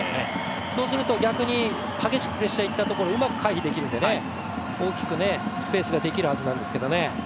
そうすると逆に激しくプレッシャーいったところ、うまく回避できるんで大きくスペースができるはずなんですけどね。